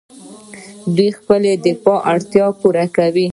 دوی خپله دفاعي اړتیا پوره کوي.